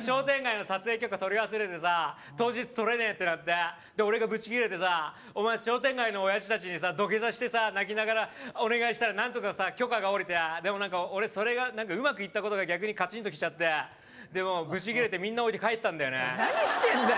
商店街の撮影許可取り忘れてさ当日撮れねえってなってで俺がブチ切れてさお前商店街のオヤジ達にさ土下座してさ泣きながらお願いしたら何とか許可が下りて俺それがうまくいったことが逆にカチンときちゃってブチ切れてみんな置いて帰ったんだよね何してんだよ